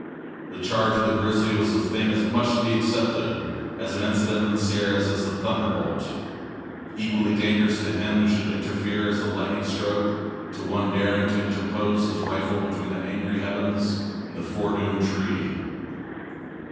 The charge of the grizzly was a thing as much to be accepted as an incident of the Sierras as the thunderbolt equally dangerous to him who should interfere as the lightning stroke to one daring to interpose his rifle between the angry heavens and the fore doomed tree.